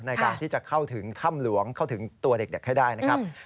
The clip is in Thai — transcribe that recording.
ในการที่จะเข้าถึงถ้ำหลวงเข้าถึงตัวเด็กให้ได้นะครับ